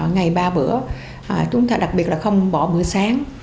ngày ba bữa chúng ta đặc biệt là không bỏ bữa sáng